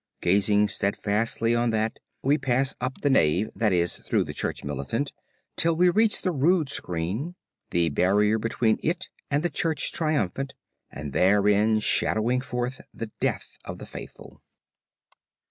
Gazing steadfastly on that we pass up the Nave, that is through the Church Militant, till we reach the Rood Screen, the barrier between it and the Church Triumphant, and therein shadowing forth the death of the Faithful.